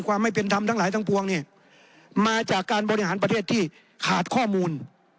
ไม่เป็นธรรมทั้งหลายทั้งปวงเนี่ยมาจากการบริหารประเทศที่ขาดข้อมูล